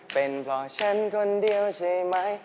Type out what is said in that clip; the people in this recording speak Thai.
เป็นเพราะฉันคนเดียวใช่ไหม